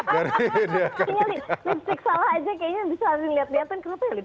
kayaknya lipstick salah aja bisa saling liat liatin